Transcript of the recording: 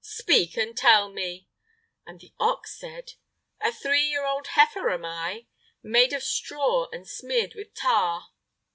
Speak and tell me!" And the ox said: "A three year old heifer am I, made of straw and smeared with tar."